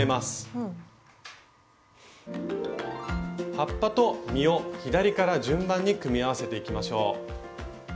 葉っぱと実を左から順番に組み合わせていきましょう。